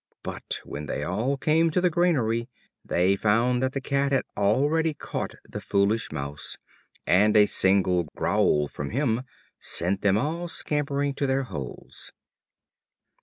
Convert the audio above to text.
But when they all came to the granary, they found that the Cat had already caught the foolish Mouse, and a single growl from him sent them all scampering to their holes.